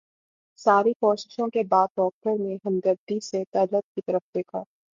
ساری کوششوں کے بعد ڈاکٹر نے ہمدردی سے طلعت کی طرف دیکھا